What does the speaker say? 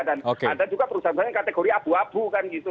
dan ada juga perusahaan perusahaan yang kategori abu abu kan gitu